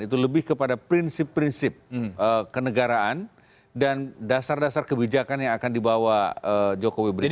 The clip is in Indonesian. itu lebih kepada prinsip prinsip kenegaraan dan dasar dasar kebijakan yang akan dibawa jokowi berikutnya